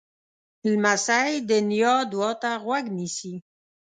لمسی د نیا دعا ته غوږ نیسي.